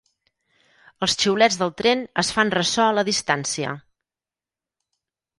Els xiulets del tren es fan ressò a la distància.